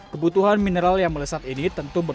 kebutuhan mineral yang melesat ini tentu berbeda